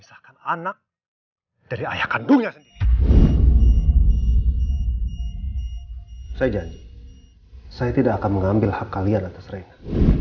saya janji saya tidak akan mengambil hak kalian atas mereka